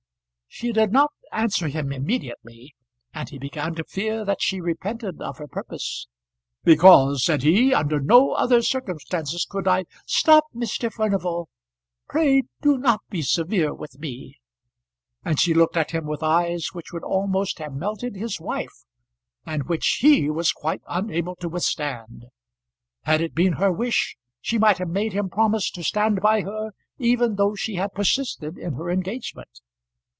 She did not answer him immediately, and he began to fear that she repented of her purpose. "Because," said he, "under no other circumstances could I " "Stop, Mr. Furnival. Pray do not be severe with me." And she looked at him with eyes which would almost have melted his wife, and which he was quite unable to withstand. Had it been her wish, she might have made him promise to stand by her, even though she had persisted in her engagement.